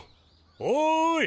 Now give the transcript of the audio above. おい！